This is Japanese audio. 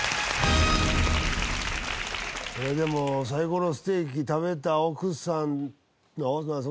でもサイコロステーキ食べた奥さん。